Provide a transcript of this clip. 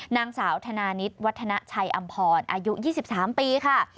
นางสาวธนานิตวัฒนาชัยอำพรอายุ๒๓ปีค่ะ